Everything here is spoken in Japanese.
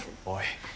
おい。